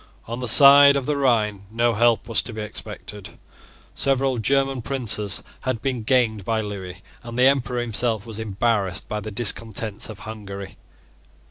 On the side of the Rhine no help was to be expected. Several German princes had been gained by Lewis; and the Emperor himself was embarrassed by the discontents of Hungary.